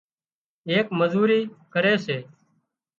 ايڪ مزوري ڪري سي